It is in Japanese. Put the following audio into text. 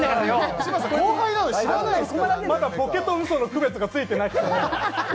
まだ、ボケとうその区別がついてなくて。